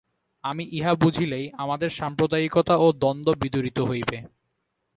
আর ইহা বুঝিলেই আমাদের সাম্প্রদায়িকতা ও দ্বন্দ্ব বিদূরিত হইবে।